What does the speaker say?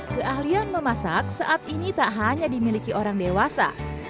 keahlian memasak saat ini tak hanya dimiliki orang dewasa